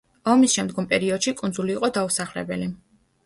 ომისშემდგომ პერიოდში კუნძული იყო დაუსახლებელი.